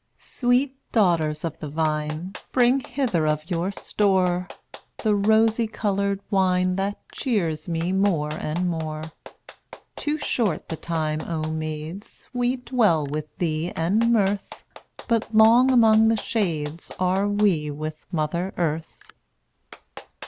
232 Sweet daughters of the vine Bring hither of your store, The rosy colored wine That cheers me more and more. Too short the time, O maids, We dwell with thee and Mirth, But long among the shades Are we with Mother Earth.